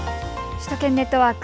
首都圏ネットワーク。